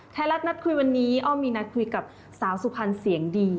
นัดคุยวันนี้อ้อมมีนัดคุยกับสาวสุพรรณเสียงดี